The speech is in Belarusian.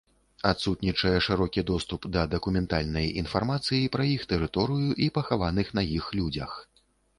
Адсутнічае шырокі доступ да дакументальнай інфармацыі пра іх тэрыторыю і пахаваных на іх людзях.